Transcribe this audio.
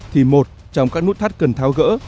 thì một trong các nút thắt cần tháo gỡ